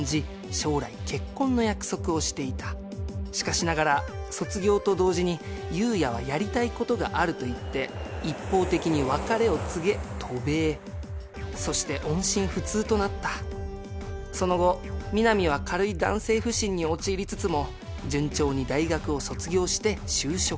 将来結婚の約束をしていたしかしながら卒業と同時に悠也はやりたいことがあると言って一方的に別れを告げ渡米そして音信不通となったその後みなみは軽い男性不信に陥りつつも順調に大学を卒業して就職